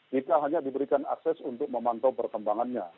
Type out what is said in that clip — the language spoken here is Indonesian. kita hanya diberikan akses untuk memantau perkembangannya